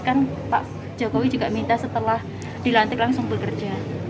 kan pak jokowi juga minta setelah dilantik langsung bekerja